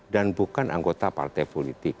dan bukan anggota partai politik